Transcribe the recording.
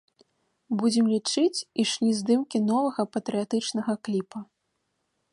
Будзем лічыць, ішлі здымкі новага патрыятычнага кліпа.